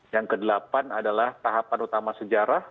yang kedelapan adalah tahapan utama sejarah